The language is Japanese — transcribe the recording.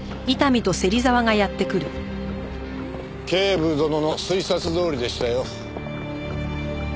警部殿の推察どおりでしたよ。